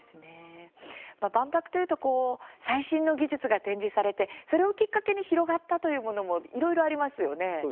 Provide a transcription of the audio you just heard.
万博というと最新の技術が展示されてそれをきっかけに広がったというものもいろいろありますよね。